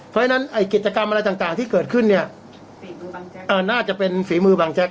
เพราะฉะนั้นไอ้กิจกรรมอะไรต่างต่างที่เกิดขึ้นเนี้ยฝีมือบางแจ๊กอ่าน่าจะเป็นฝีมือบางแจ๊ก